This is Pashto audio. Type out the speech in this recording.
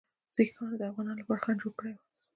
سیکهانو د افغانانو لپاره خنډ جوړ کړی وو.